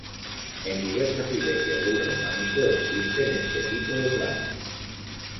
En diversas iglesias del románico existen este tipo de plantas.